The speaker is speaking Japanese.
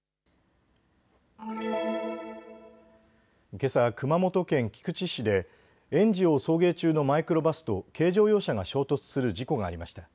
けさ熊本県菊池市で園児を送迎中のマイクロバスと軽乗用車が衝突する事故がありました。